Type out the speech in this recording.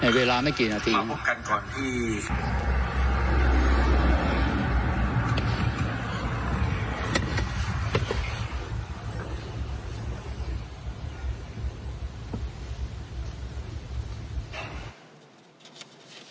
เวลาไม่กี่นาทีพบกันก่อนที่